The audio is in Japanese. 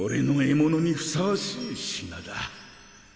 ものにふさわしい品だ。